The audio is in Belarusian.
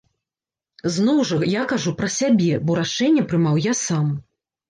Зноў жа, я кажу пра сябе, бо рашэнне прымаў я сам.